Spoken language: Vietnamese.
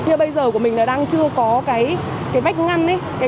kia bây giờ của mình là đang chưa có cái vách ngăn ấy